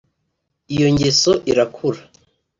iyo ngeso irakura